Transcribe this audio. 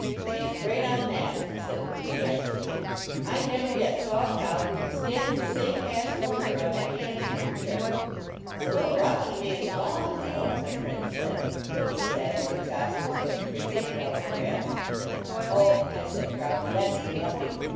"She s great on that," I said, enthusi astically. " I never yet saw a cow who could stand in the same pasture with her on that hand spring trick." " It s a little rough on a man s lawn, 250 HOUSEHOLD PETS though," my friend said, looking sadly at Joshua s hoof prints in the velvet grass. "Oh," I said proudly, " that s nothing.